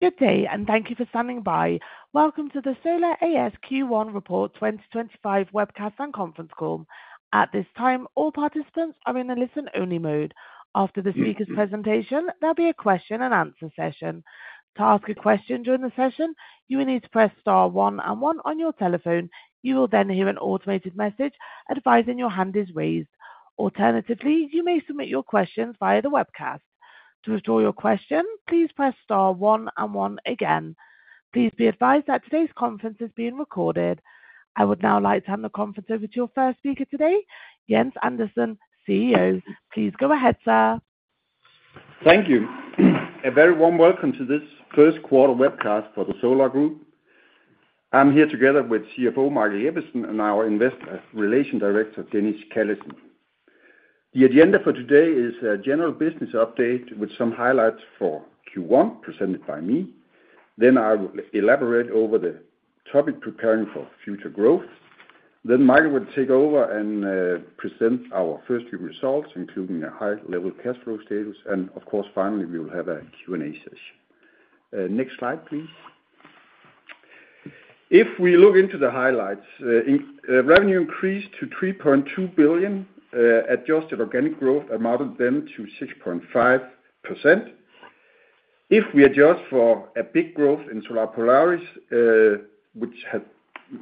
Good day, and thank you for standing by. Welcome to the Solar A/S Q1 Report 2025 Webcast and Conference call. At this time, all participants are in a listen-only mode. After the speaker's presentation, there will be a question-and-answer session. To ask a question during the session, you will need to press star one and one on your telephone. You will then hear an automated message advising your hand is raised. Alternatively, you may submit your questions via the webcast. To withdraw your question, please press star one and one again. Please be advised that today's conference is being recorded. I would now like to hand the conference over to your first speaker today, Jens Andersen, CEO. Please go ahead, sir. Thank you. A very warm welcome to this first quarter webcast for the Solar Group. I'm here together with CFO, Michael Jeppesen, and our Investor Relations Director, Dennis Callesen. The agenda for today is a general business update with some highlights for Q1 presented by me. I will elaborate over the topic preparing for future growth. Michael will take over and present our first-year results, including a high-level cash flow status. Of course, finally, we will have a Q&A session. Next slide, please. If we look into the highlights, revenue increased to 3.2 billion. Adjusted organic growth amounted then to 6.5%. If we adjust for a big growth in Solar Polaris, which has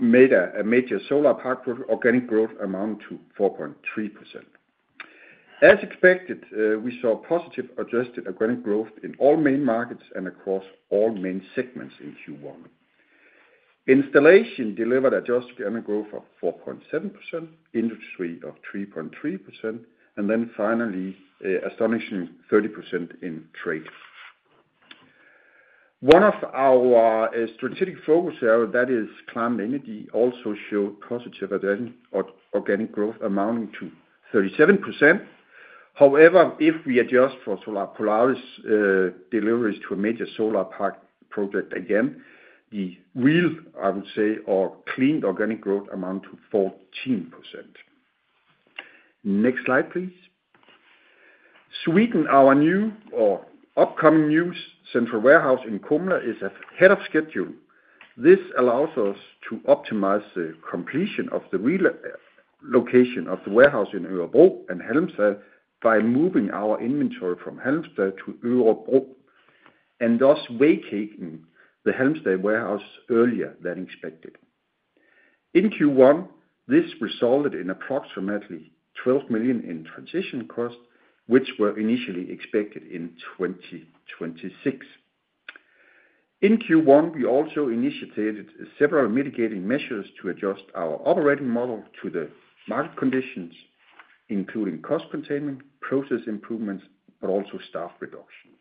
made a major solar park growth, organic growth amounted to 4.3%. As expected, we saw positive adjusted organic growth in all main markets and across all main segments in Q1. Installation delivered adjusted organic growth of 4.7%, industry of 3.3%, and then finally astonishing 30% in trade. One of our strategic focus areas that is climate energy also showed positive adjusted organic growth amounting to 37%. However, if we adjust for Solar Polaris deliveries to a major solar park project again, the real, I would say, or clean organic growth amounted to 14%. Next slide, please. Sweden, our new or upcoming new central warehouse in Kumla is ahead of schedule. This allows us to optimize the completion of the relocation of the warehouse in Örebro and Halmstad by moving our inventory from Halmstad to Örebro and thus vacating the Halmstad warehouse earlier than expected. In Q1, this resulted in approximately 12 million in transition costs, which were initially expected in 2026. In Q1, we also initiated several mitigating measures to adjust our operating model to the market conditions, including cost containment, process improvements, but also staff reductions.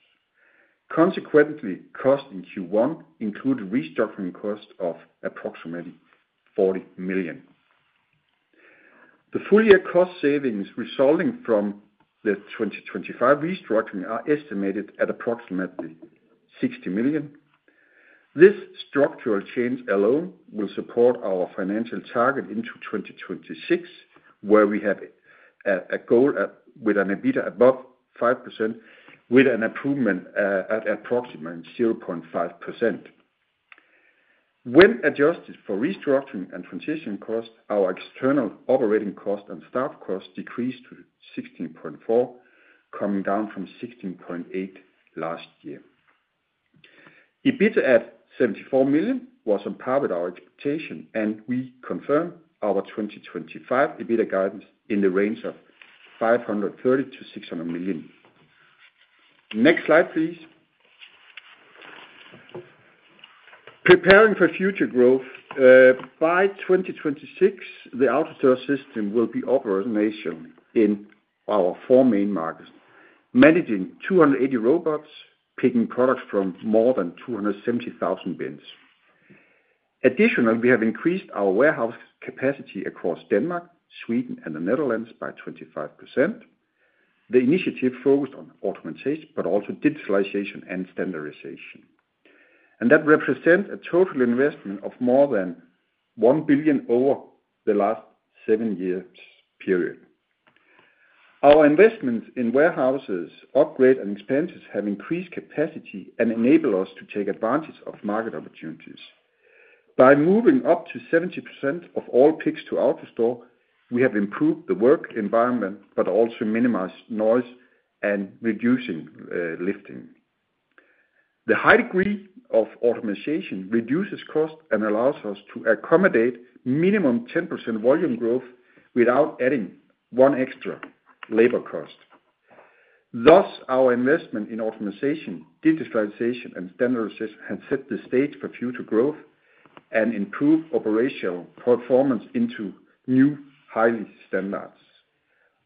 Consequently, cost in Q1 included restructuring costs of approximately 40 million. The full-year cost savings resulting from the 2025 restructuring are estimated at approximately 60 million. This structural change alone will support our financial target into 2026, where we have a goal with an EBITDA above 5%, with an improvement at approximately 0.5%. When adjusted for restructuring and transition costs, our external operating cost and staff cost decreased to 16.4%, coming down from 16.8% last year. EBITDA at 74 million was on par with our expectation, and we confirmed our 2025 EBITDA guidance in the range of 530-600 million. Next slide, please. Preparing for future growth. By 2026, the Outer Store system will be operational in our four main markets, managing 280 robots, picking products from more than 270,000 bins. Additionally, we have increased our warehouse capacity across Denmark, Sweden, and the Netherlands by 25%. The initiative focused on automation, but also digitalization and standardization. That represents a total investment of more than 1 billion over the last seven years period. Our investments in warehouses, upgrades, and expenses have increased capacity and enable us to take advantage of market opportunities. By moving up to 70% of all picks to Outer Store, we have improved the work environment, but also minimized noise and reduced lifting. The high degree of automation reduces cost and allows us to accommodate minimum 10% volume growth without adding one extra labor cost. Thus, our investment in automation, digitalization, and standardization has set the stage for future growth and improved operational performance into new high-standards.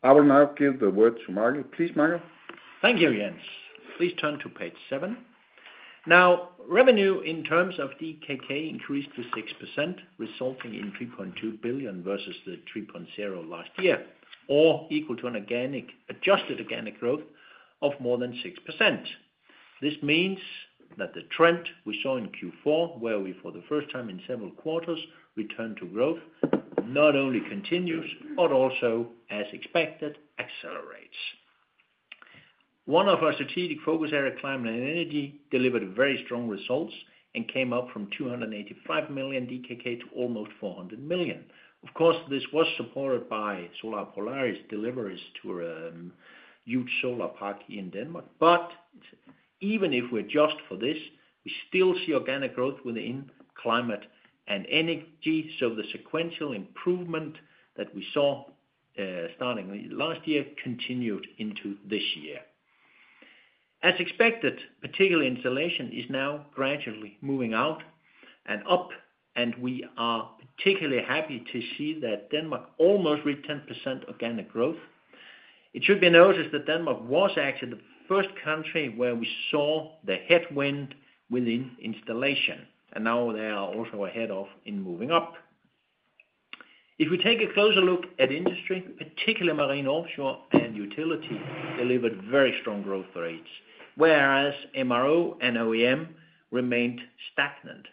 I will now give the word to Michael. Please, Michael. Thank you, Jens. Please turn to page seven. Now, revenue in terms of DKK increased to 6%, resulting in 3.2 billion versus the 3.0 billion last year, or equal to an adjusted organic growth of more than 6%. This means that the trend we saw in Q4, where we for the first time in several quarters returned to growth, not only continues, but also, as expected, accelerates. One of our strategic focus areas, climate and energy, delivered very strong results and came up from 285 million DKK to almost 400 million. Of course, this was supported by Solar Polaris deliveries to a huge solar park in Denmark. Even if we adjust for this, we still see organic growth within climate and energy. The sequential improvement that we saw starting last year continued into this year. As expected, particularly installation is now gradually moving out and up, and we are particularly happy to see that Denmark almost reached 10% organic growth. It should be noticed that Denmark was actually the first country where we saw the headwind within installation, and now they are also ahead of in moving up. If we take a closer look at industry, particularly marine offshore and utility delivered very strong growth rates, whereas MRO and OEM remained stagnant.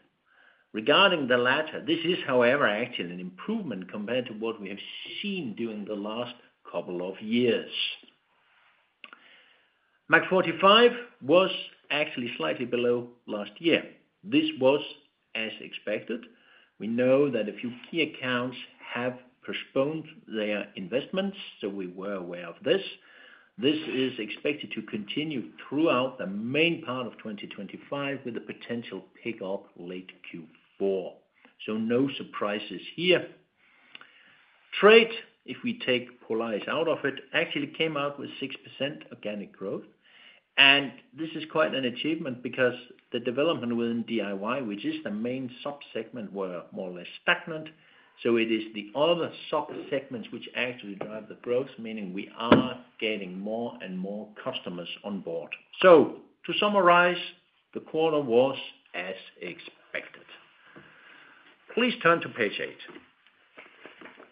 Regarding the latter, this is, however, actually an improvement compared to what we have seen during the last couple of years. MAC45 was actually slightly below last year. This was as expected. We know that a few key accounts have postponed their investments, so we were aware of this. This is expected to continue throughout the main part of 2025 with a potential pickup late Q4. No surprises here. Trade, if we take Polaris out of it, actually came out with 6% organic growth. This is quite an achievement because the development within DIY, which is the main subsegment, was more or less stagnant. It is the other subsegments which actually drive the growth, meaning we are getting more and more customers on board. To summarize, the quarter was as expected. Please turn to page eight.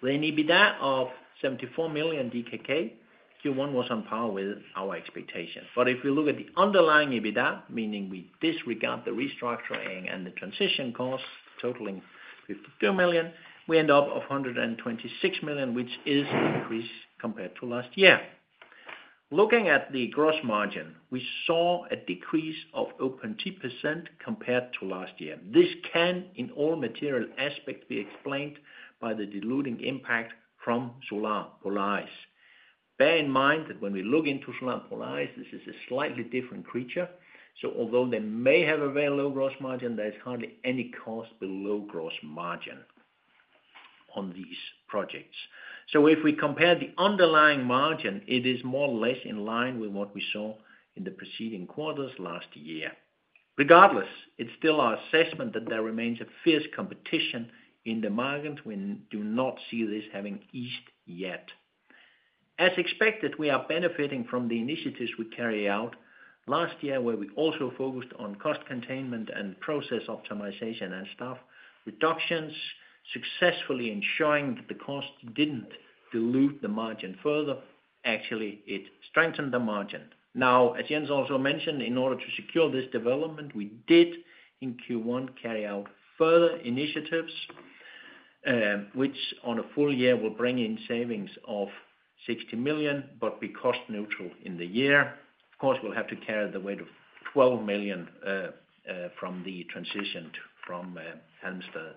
The EBITDA of 74 million DKK Q1 was on par with our expectation. If we look at the underlying EBITDA, meaning we disregard the restructuring and the transition costs totaling 52 million, we end up with 126 million, which is an increase compared to last year. Looking at the gross margin, we saw a decrease of over 2% compared to last year. This can, in all material aspects, be explained by the diluting impact from Solar Polaris. Bear in mind that when we look into Solar Polaris, this is a slightly different creature. Although they may have a very low gross margin, there is hardly any cost below gross margin on these projects. If we compare the underlying margin, it is more or less in line with what we saw in the preceding quarters last year. Regardless, it is still our assessment that there remains a fierce competition in the market. We do not see this having eased yet. As expected, we are benefiting from the initiatives we carried out last year, where we also focused on cost containment and process optimization and staff reductions, successfully ensuring that the cost did not dilute the margin further. Actually, it strengthened the margin. Now, as Jens also mentioned, in order to secure this development, we did in Q1 carry out further initiatives, which on a full year will bring in savings of 60 million, but be cost neutral in the year. Of course, we'll have to carry the weight of 12 million from the transition from Halmstad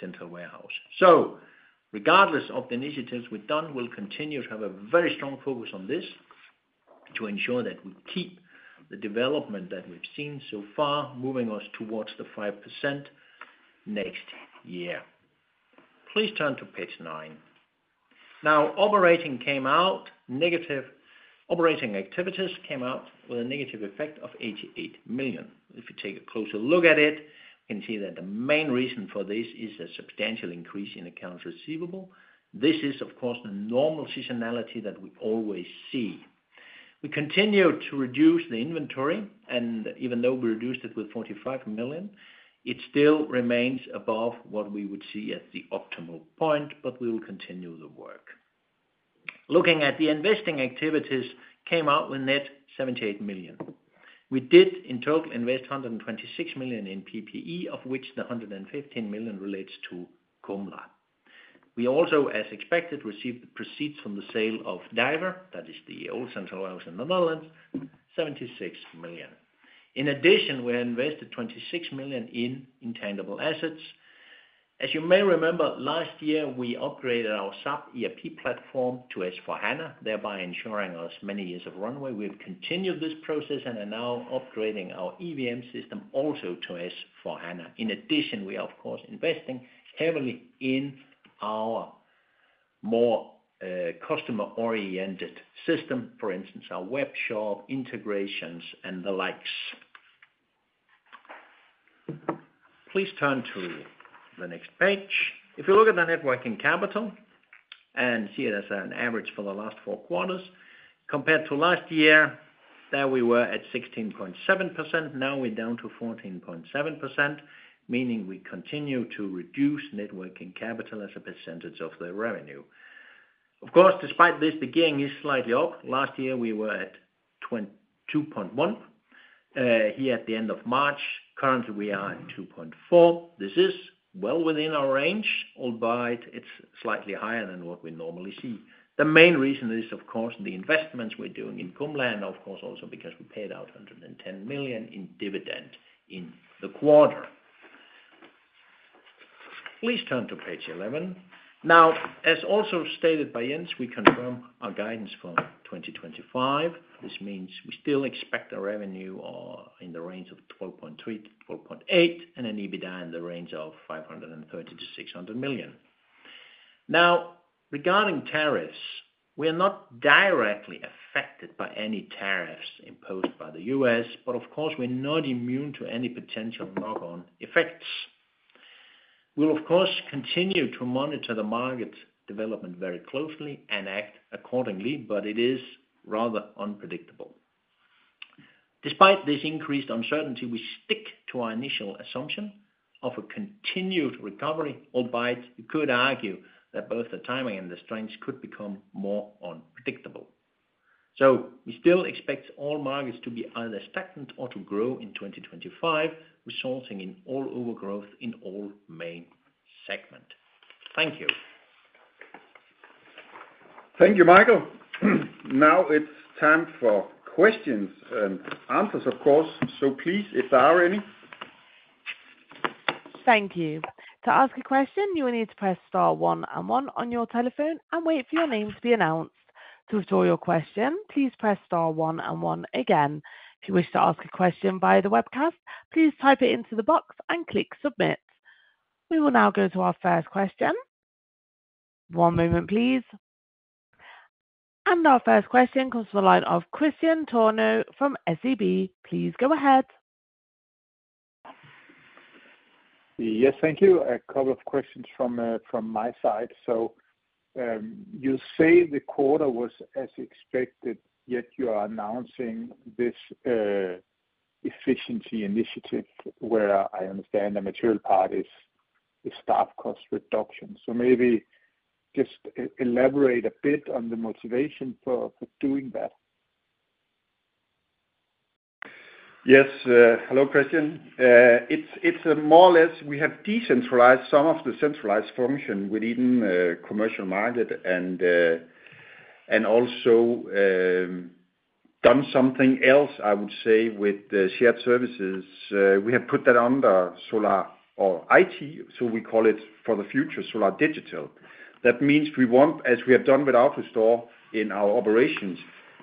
central warehouse. Regardless of the initiatives we've done, we'll continue to have a very strong focus on this to ensure that we keep the development that we've seen so far, moving us towards the 5% next year. Please turn to page nine. Now, operating came out negative. Operating activities came out with a negative effect of 88 million. If you take a closer look at it, you can see that the main reason for this is a substantial increase in accounts receivable. This is, of course, the normal seasonality that we always see. We continue to reduce the inventory, and even though we reduced it with 45 million, it still remains above what we would see as the optimal point, but we will continue the work. Looking at the investing activities, came out with net 78 million. We did in total invest 126 million in PPE, of which the 115 million relates to Kumla. We also, as expected, received the proceeds from the sale of Driver, that is the old central warehouse in the Netherlands, 76 million. In addition, we invested 26 million in intangible assets. As you may remember, last year, we upgraded our sub-ERP platform to S/4HANA, thereby ensuring us many years of runway. We have continued this process and are now upgrading our EVM system also to S/4HANA. In addition, we are, of course, investing heavily in our more customer-oriented system, for instance, our web shop integrations and the likes. Please turn to the next page. If you look at the working capital and see it as an average for the last four quarters, compared to last year, there we were at 16.7%. Now we're down to 14.7%, meaning we continue to reduce working capital as a percentage of the revenue. Of course, despite this, the gain is slightly up. Last year, we were at 2.1 here at the end of March. Currently, we are at 2.4. This is well within our range, albeit it's slightly higher than what we normally see. The main reason is, of course, the investments we're doing in Kumla and, of course, also because we paid out 110 million in dividend in the quarter. Please turn to page 11. Now, as also stated by Jens, we confirm our guidance for 2025. This means we still expect our revenue in the range of 12.3 billion-12.8 billion and an EBITDA in the range of 530 million-600 million. Now, regarding tariffs, we are not directly affected by any tariffs imposed by the U.S., but of course, we're not immune to any potential knock-on effects. We'll, of course, continue to monitor the market development very closely and act accordingly, but it is rather unpredictable. Despite this increased uncertainty, we stick to our initial assumption of a continued recovery, albeit you could argue that both the timing and the strength could become more unpredictable. We still expect all markets to be either stagnant or to grow in 2025, resulting in overall growth in all main segments. Thank you. Thank you, Michael. Now it's time for questions and answers, of course. Please, if there are any. Thank you. To ask a question, you will need to press star one and one on your telephone and wait for your name to be announced. To withdraw your question, please press star one and one again. If you wish to ask a question via the webcast, please type it into the box and click submit. We will now go to our first question. One moment, please. Our first question comes from the line of Christian Tornow from SEB. Please go ahead. Yes, thank you. A couple of questions from my side. You say the quarter was as expected, yet you are announcing this efficiency initiative where I understand the material part is staff cost reduction. Maybe just elaborate a bit on the motivation for doing that. Yes. Hello, Christian. It's more or less we have decentralized some of the centralized function within the commercial market and also done something else, I would say, with the shared services. We have put that under Solar or IT, so we call it for the future Solar Digital. That means we want, as we have done with Outer Store in our operations,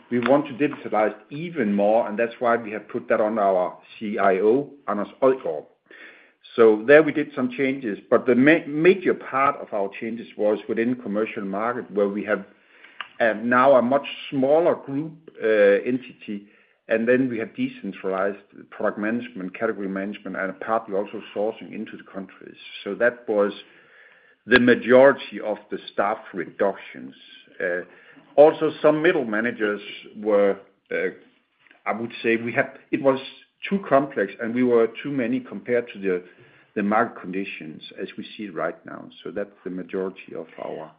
we want to digitalize even more, and that's why we have put that under our CIO, Anders Øygård. There we did some changes, but the major part of our changes was within commercial market where we have now a much smaller group entity, and then we have decentralized product management, category management, and partly also sourcing into the countries. That was the majority of the staff reductions. Also, some middle managers were, I would say, it was too complex and we were too many compared to the market conditions as we see it right now. That is the majority of our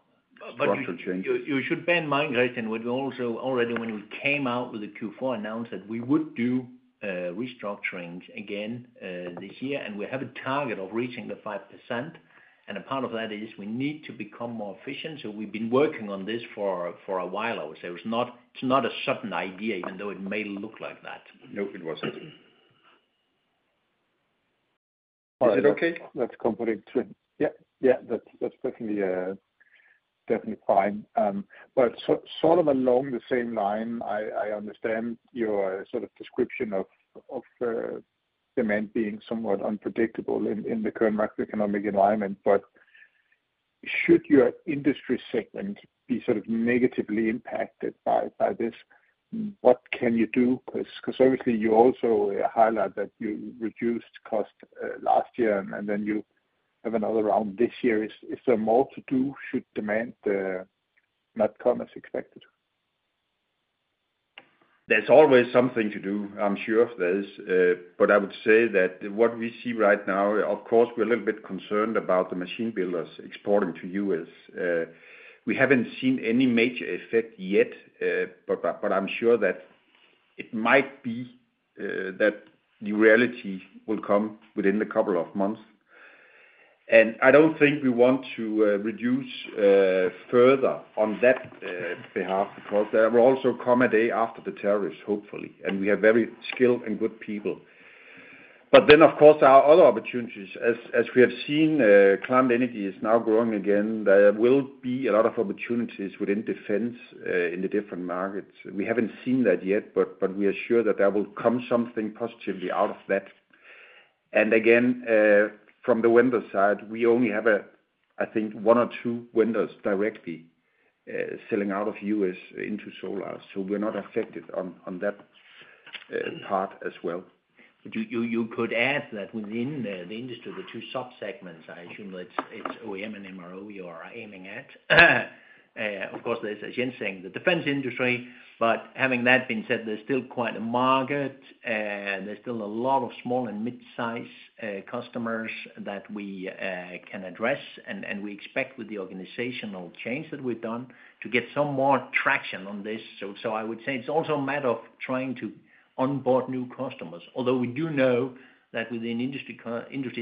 structural changes. You should bear in mind, Christian, we also already, when we came out with the Q4, announced that we would do restructuring again this year, and we have a target of reaching the 5%. A part of that is we need to become more efficient. We have been working on this for a while, I would say. It is not a sudden idea, even though it may look like that. No, it wasn't. Is it okay? That's completely true. Yeah. Yeah. That's definitely fine. Sort of along the same line, I understand your sort of description of demand being somewhat unpredictable in the current macroeconomic environment. Should your industry segment be sort of negatively impacted by this, what can you do? Obviously, you also highlight that you reduced cost last year, and then you have another round this year. Is there more to do should demand not come as expected? There's always something to do. I'm sure of this. I would say that what we see right now, of course, we're a little bit concerned about the machine builders exporting to the U.S. We haven't seen any major effect yet. I'm sure that it might be that the reality will come within a couple of months. I don't think we want to reduce further on that behalf because there will also come a day after the tariffs, hopefully, and we have very skilled and good people. Of course, there are other opportunities. As we have seen, climate energy is now growing again. There will be a lot of opportunities within defense in the different markets. We haven't seen that yet, but we are sure that there will come something positively out of that. From the window side, we only have, I think, one or two windows directly selling out of the U.S. into Solar. We are not affected on that part as well. You could add that within the industry, the two subsegments, I assume it's OEM and MRO you are aiming at. Of course, there's again saying the defense industry, but having that being said, there's still quite a market and there's still a lot of small and mid-size customers that we can address. We expect with the organizational change that we've done to get some more traction on this. I would say it's also a matter of trying to onboard new customers, although we do know that within industry,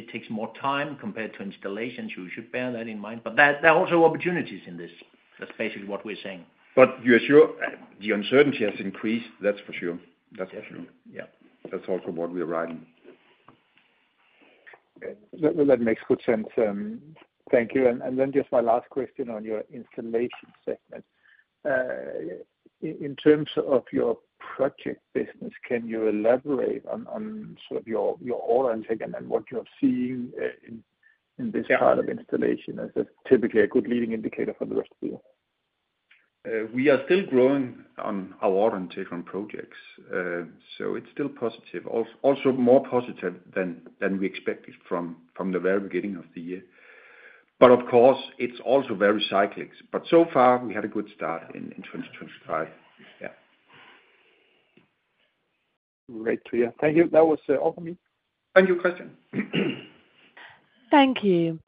it takes more time compared to installations. You should bear that in mind. There are also opportunities in this. That's basically what we're saying. You're sure the uncertainty has increased. That's for sure. That's also what we are riding. That makes good sense. Thank you. Just my last question on your installation segment. In terms of your project business, can you elaborate on sort of your order intake and what you're seeing in this part of installation as typically a good leading indicator for the rest of the year? We are still growing on our order and take on projects. It is still positive. Also more positive than we expected from the very beginning of the year. Of course, it is also very cyclic. So far, we had a good start in 2025. Yeah. Great to hear. Thank you. That was all from me. Thank you, Christian. Thank you.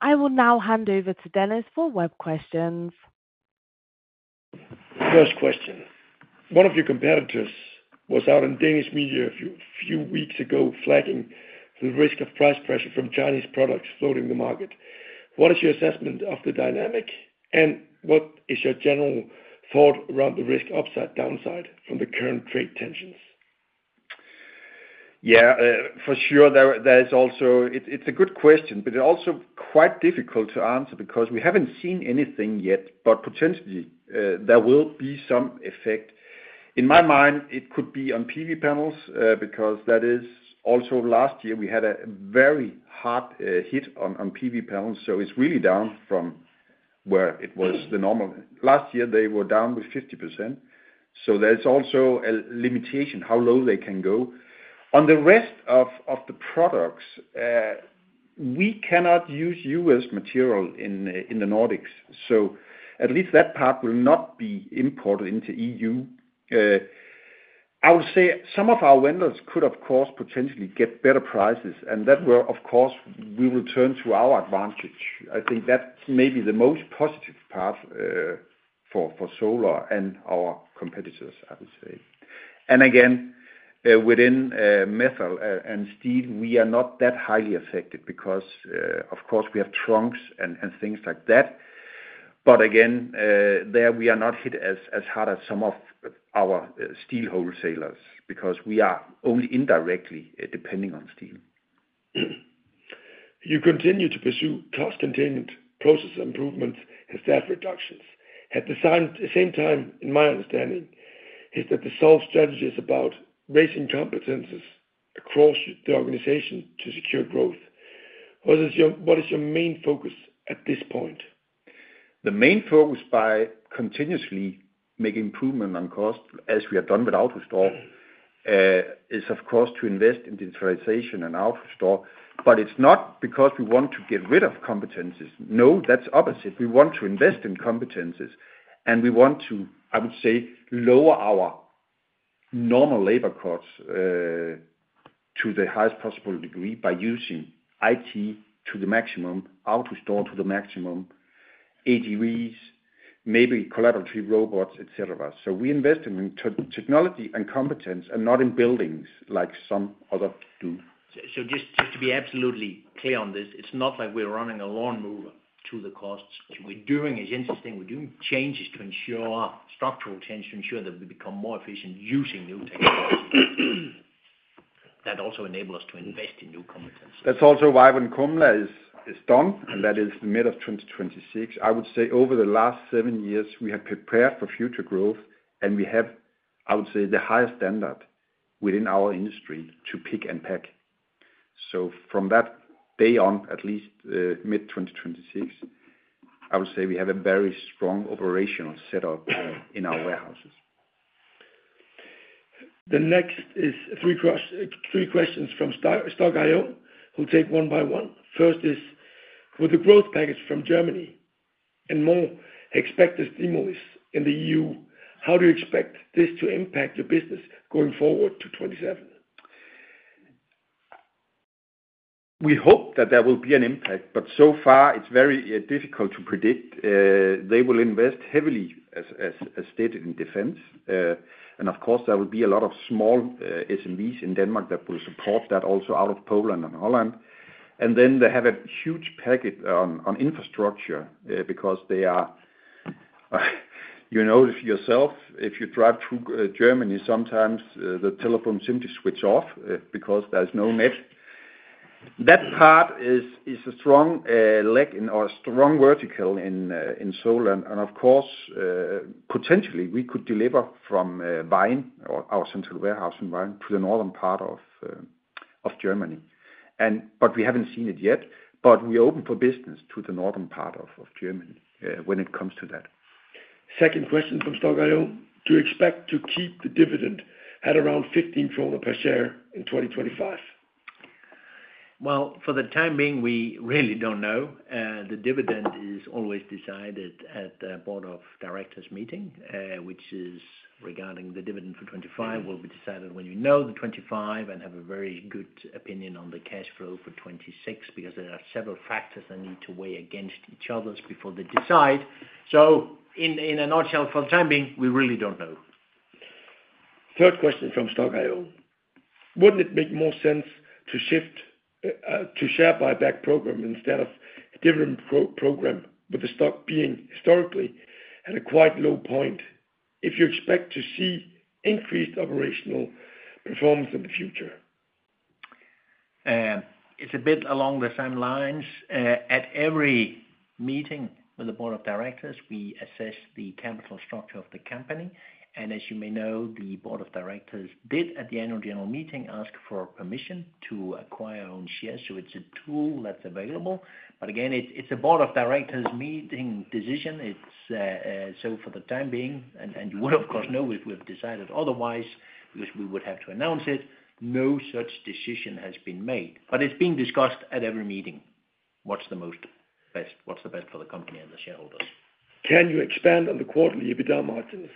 I will now hand over to Dennis for web questions. First question. One of your competitors was out in Danish media a few weeks ago flagging the risk of price pressure from Chinese products flooding the market. What is your assessment of the dynamic and what is your general thought around the risk upside downside from the current trade tensions? Yeah. For sure, it's a good question, but it's also quite difficult to answer because we haven't seen anything yet, but potentially there will be some effect. In my mind, it could be on PV panels because that is also last year we had a very hard hit on PV panels. It's really down from where it was the normal. Last year, they were down 50%. There's also a limitation how low they can go. On the rest of the products, we cannot use US material in the Nordics. At least that part will not be imported into the EU. I would say some of our vendors could, of course, potentially get better prices, and that will, of course, we will turn to our advantage. I think that may be the most positive part for Solar and our competitors, I would say. Within metal and steel, we are not that highly affected because, of course, we have trunks and things like that. Again, there we are not hit as hard as some of our steel wholesalers because we are only indirectly depending on steel. You continue to pursue cost-containment, process improvements, and staff reductions. At the same time, in my understanding, is that the sole strategy is about raising competencies across the organization to secure growth. What is your main focus at this point? The main focus by continuously making improvement on cost, as we have done with Outer Store, is, of course, to invest in digitalization and Outer Store. It is not because we want to get rid of competencies. No, that's opposite. We want to invest in competencies, and we want to, I would say, lower our normal labor costs to the highest possible degree by using IT to the maximum, Outer Store to the maximum, ADVs, maybe collaborative robots, etc. We invest in technology and competencies and not in buildings like some others do. Just to be absolutely clear on this, it's not like we're running a lawnmower to the costs. What we're doing is interesting. We're doing changes to ensure structural change to ensure that we become more efficient using new technologies that also enable us to invest in new competencies. That's also why when Kumla is done, and that is the mid of 2026, I would say over the last seven years, we have prepared for future growth, and we have, I would say, the highest standard within our industry to pick and pack. From that day on, at least mid-2026, I would say we have a very strong operational setup in our warehouses. The next is three questions from Stark IO, who'll take one by one. First is, with the growth package from Germany and more expected stimulus in the EU, how do you expect this to impact your business going forward to 2027? We hope that there will be an impact, but so far, it's very difficult to predict. They will invest heavily, as stated, in defense. Of course, there will be a lot of small SMEs in Denmark that will support that also out of Poland and Holland. They have a huge package on infrastructure because they are, you notice yourself, if you drive through Germany, sometimes the telephone simply switches off because there's no net. That part is a strong leg in our strong vertical in Solar. Of course, potentially, we could deliver from Wijnegem, our central warehouse in Wijnegem, to the northern part of Germany. We haven't seen it yet. We are open for business to the northern part of Germany when it comes to that. Second question from Stark IO. Do you expect to keep the dividend at around 15 krone per share in 2025? For the time being, we really don't know. The dividend is always decided at the board of directors meeting, which is regarding the dividend for 2025. It will be decided when you know the 2025 and have a very good opinion on the cash flow for 2026 because there are several factors that need to weigh against each other before they decide. In a nutshell, for the time being, we really don't know. Third question from Stark IO. Wouldn't it make more sense to shift to share buyback program instead of a different program with the stock being historically at a quite low point? If you expect to see increased operational performance in the future? It's a bit along the same lines. At every meeting with the board of directors, we assess the capital structure of the company. As you may know, the board of directors did, at the annual general meeting, ask for permission to acquire own shares. It's a tool that's available. Again, it's a board of directors meeting decision. For the time being, and you will, of course, know if we've decided otherwise because we would have to announce it, no such decision has been made. It's being discussed at every meeting. What's the most best? What's the best for the company and the shareholders? Can you expand on the quarterly EBITDA margins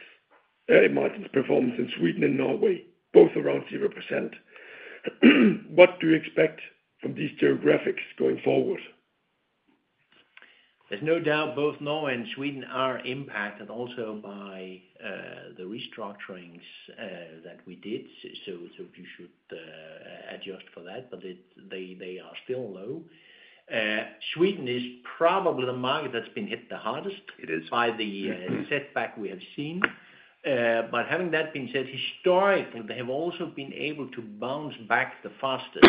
performance in Sweden and Norway, both around 0%? What do you expect from these geographics going forward? There's no doubt both Norway and Sweden are impacted also by the restructurings that we did. You should adjust for that, but they are still low. Sweden is probably the market that's been hit the hardest by the setback we have seen. Having that being said, historically, they have also been able to bounce back the fastest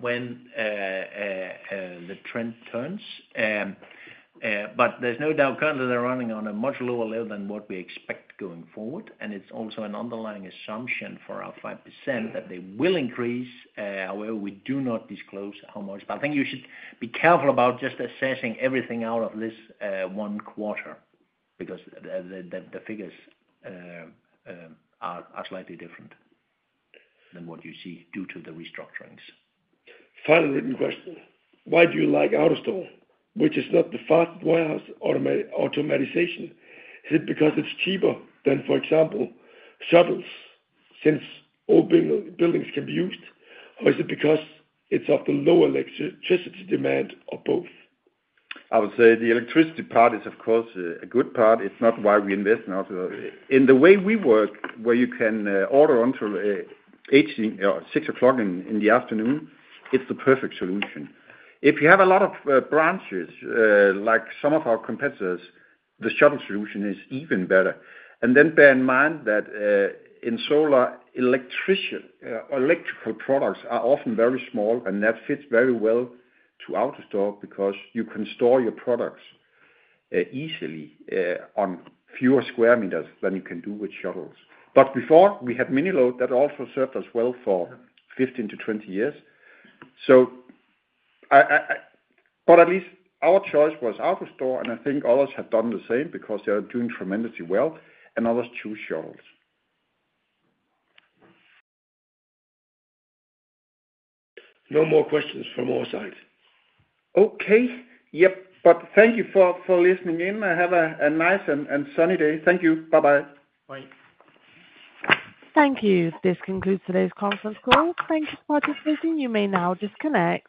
when the trend turns. There's no doubt currently they're running on a much lower level than what we expect going forward. It's also an underlying assumption for our 5% that they will increase. However, we do not disclose how much. I think you should be careful about just assessing everything out of this one quarter because the figures are slightly different than what you see due to the restructurings. Final written question. Why do you like Outer Store, which is not the fastest warehouse automatization? Is it because it's cheaper than, for example, shuttles since old buildings can be used? Or is it because it's of the lower electricity demand or both? I would say the electricity part is, of course, a good part. It's not why we invest in Outer Store. In the way we work, where you can order until 6:00 P.M., it's the perfect solution. If you have a lot of branches, like some of our competitors, the shuttle solution is even better. Bear in mind that in Solar, electrical products are often very small, and that fits very well to Outer Store because you can store your products easily on fewer square meters than you can do with shuttles. Before, we had mini load that also served us well for 15 to 20 years. At least our choice was Outer Store, and I think others have done the same because they are doing tremendously well, and others choose shuttles. No more questions from our side. Okay. Yep. But thank you for listening in. Have a nice and sunny day. Thank you. Bye-bye. Bye. Thank you. This concludes today's conference call. Thank you for participating. You may now disconnect.